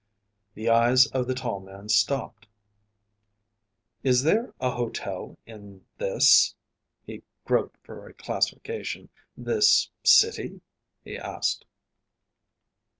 The eyes of the tall man stopped. "Is there a hotel in this" he groped for a classification "this city?" he asked.